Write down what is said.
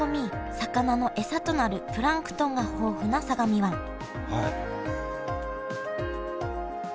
魚のエサとなるプランクトンが豊富な相模湾はい。